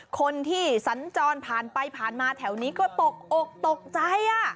คนที่สัญจรผ่านไปผ่านมาแถวนี้ก็ตกอกตกใจ